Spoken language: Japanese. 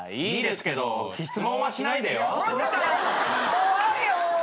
怖いよ。